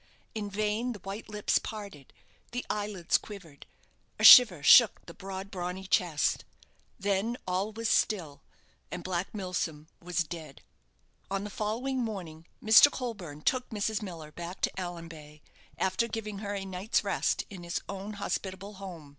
In vain the white lips parted, the eyelids quivered, a shiver shook the broad, brawny chest then all was still, and Black Milsom was dead! On the following morning Mr. Colburne took Mrs. Miller back to Allanbay, after giving her a night's rest in his own hospitable home.